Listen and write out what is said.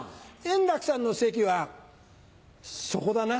円楽さんの席はそこだな。